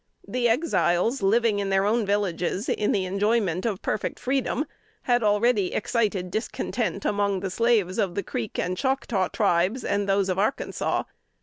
The Exiles, living in their own villages in the enjoyment of perfect freedom, had already excited discontent among the slaves of the Creek and Choctaw Tribes, and those of Arkansas.